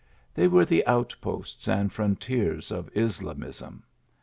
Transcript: They were the out posts and frontiers of Islamism.